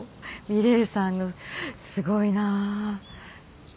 三玲さんのすごいなぁ。